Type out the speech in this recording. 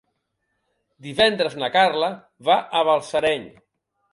Divendres na Carla va a Balsareny.